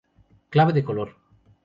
Clave de color;